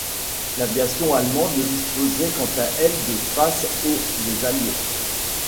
L'aviation allemande disposait quant à elle de face aux des Alliés.